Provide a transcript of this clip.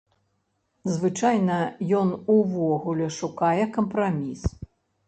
Звычайна ён увогуле шукае кампраміс.